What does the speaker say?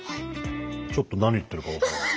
ちょっと何言ってるか分からない。